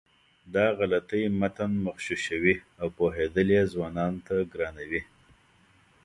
دا غلطۍ متن مغشوشوي او پوهېدل یې ځوانانو ته ګرانوي.